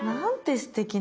すてきな！